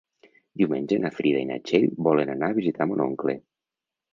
Diumenge na Frida i na Txell volen anar a visitar mon oncle.